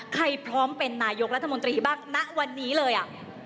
พร้อมเป็นนายกรัฐมนตรีบ้างณวันนี้เลยอ่ะ